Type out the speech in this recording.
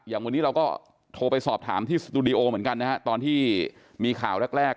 วันนี้เราก็โทรไปสอบถามที่สตูดิโอเหมือนกันนะฮะตอนที่มีข่าวแรกแรก